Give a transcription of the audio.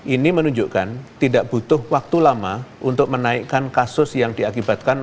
ini menunjukkan tidak butuh waktu lama untuk menaikkan kasus yang diakibatkan